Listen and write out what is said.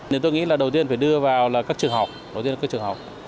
nên tôi nghĩ là đầu tiên phải đưa vào là các trường học đầu tiên là các trường học